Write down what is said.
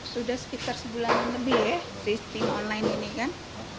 sudah sekitar sebulan lebih ya sistem online ini kan